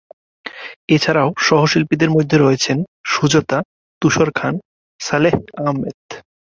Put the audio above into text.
এছাড়াও সহ-শিল্পীদের মধ্যে রয়েছেন সুজাতা, তুষার খান, সালেহ আহমেদ।